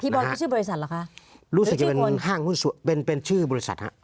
พีบอยเป็นชื่อบริษัทหรอคะหรือชื่อคนห้างหุ้นเป็นเป็นชื่อบริษัทฮะ